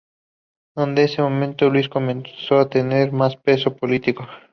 Desde ese momento Luis comenzó a tener más peso político.